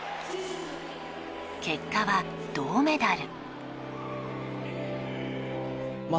結果は、銅メダル。